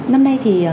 năm nay thì